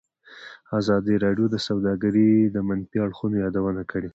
ازادي راډیو د سوداګري د منفي اړخونو یادونه کړې.